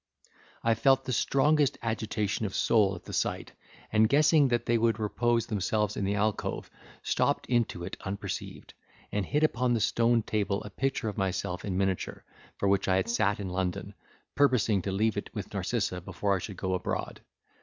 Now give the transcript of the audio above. I felt the strongest agitation of soul at the sight; and guessing, that they would repose themselves in the alcove, stopped into it unperceived, and hid upon the stone table a picture of myself in miniature, for which I had sat in London, purposing to leave it with Narcissa before I should go abroad.